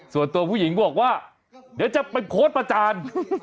ส่วนตัวผู้หญิงบอกว่าเดี๋ยวจะไปโพสต์ประจาน